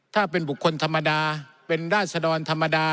ถ้าเป็นบุคคลธรรมดาเป็นราศดรธรรมดา